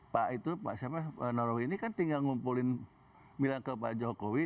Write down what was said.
pak itu pak narowi ini kan tinggal ngumpulin bilang ke pak jokowi